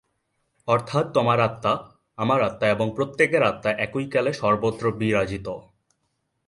অর্থাৎ তোমার আত্মা, আমার আত্মা এবং প্রত্যেকের আত্মা একই-কালে সর্বত্র বিরাজিত।